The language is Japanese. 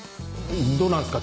どうなんすか？